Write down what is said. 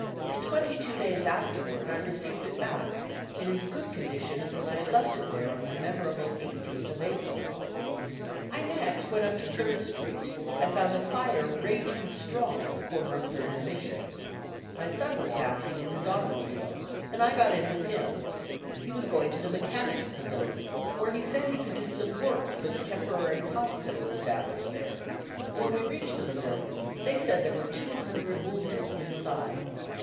(In twenty two days afterward I received it back in as good condition as when I had left it there on the memorable 18th, of April.) I next went up to Third Street and found the fire raging strong at the corner of Third and Mission. My son was passing in his automobile, and I got in with him. He was going to the Mechanics' Pavilion, where he said he could do some work for the temporary hospital established there. When we reached the Pavilion they said there were two hundred wounded inside.